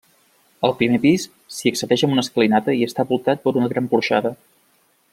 Al primer pis s'hi accedeix per una escalinata i està voltat per una gran porxada.